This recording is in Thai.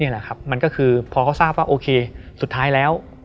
แหละครับมันก็คือพอเขาทราบว่าโอเคสุดท้ายแล้ว